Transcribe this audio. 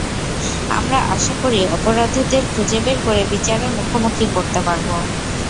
আমরা আশা করি অপরাধীদের খুঁজে বের করে বিচারের মুখোমুখি করতে পারব।